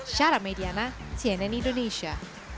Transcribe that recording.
syara mediana cnn indonesia